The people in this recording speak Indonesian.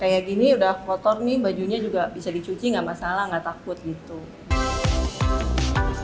kayak gini udah kotor nih bajunya juga bisa dicuci nggak masalah nggak takut gitu